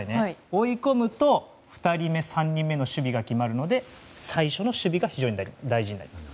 追い込むと、２人目、３人目の守備が決まるので最初の守備が非常に大事になります。